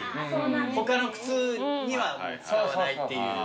他の靴には使わないっていう。